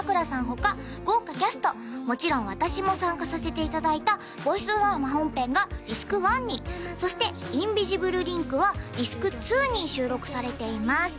他豪華キャストもちろん私も参加させていただいたボイスドラマ本編がディスク１にそして「ＩｎｖｉｓｉｂｌｅＬｉｎｋ」はディスク２に収録されています